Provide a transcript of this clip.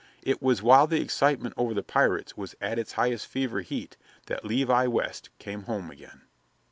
It was while the excitement over the pirates was at its highest fever heat that Levi West came home again.